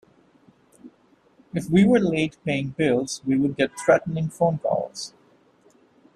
If we were late paying bills we would get threatening phone calls.